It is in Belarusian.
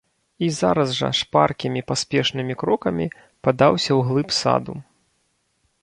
І зараз жа шпаркімі паспешнымі крокамі падаўся ў глыб саду.